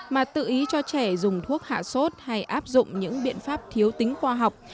mà tự ý cho trẻ dùng thuốc hạ sốt hay áp dụng những biện pháp thiếu tính khoa học